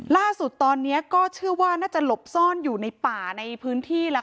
ล่าสุดตอนนี้ก็เชื่อว่าน่าจะหลบซ่อนอยู่ในป่าในพื้นที่แล้ว